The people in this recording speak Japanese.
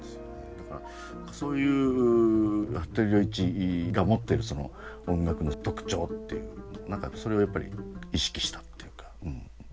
だからそういう服部良一が持ってるその音楽の特徴っていう何かそれをやっぱり意識したっていうか。